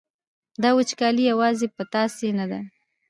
دا وچکالي یوازې په تاسې نه ده.